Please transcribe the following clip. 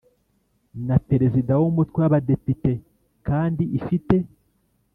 Na perezida w umutwe w abadepite kandi ifite